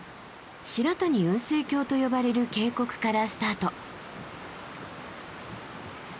白谷雲水峡と呼ばれる渓谷からスタート。